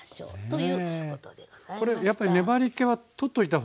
やっぱり粘りけは取っといたほうが。